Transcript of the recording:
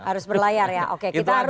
harus berlayar ya oke